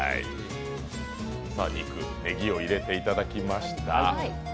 肉、ネギを入れていただきました。